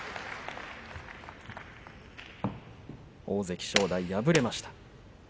大関正代が敗れました。